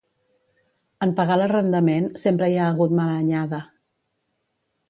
En pagar l'arrendament, sempre hi ha hagut mala anyada.